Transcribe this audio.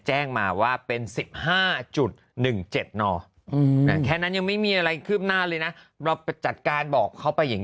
แจ้งมาว่าเป็น๑๕๑๗นแค่นั้นยังไม่มีอะไรคืบหน้าเลยนะเราจัดการบอกเขาไปอย่างนี้